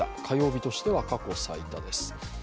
火曜日としては過去最多です。